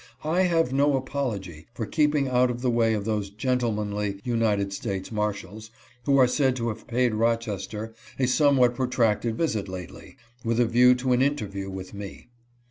I have no apology for keeping out of the way of those gentlemanly United States marshals, who are said to have paid Eochester a somewhat protracted visit lately, with a view to an interview with me.